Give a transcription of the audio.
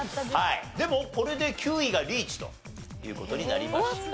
でもこれで９位がリーチという事になりました。